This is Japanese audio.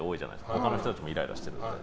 他の人たちもイライラしているから。